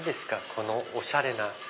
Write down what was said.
このおしゃれな。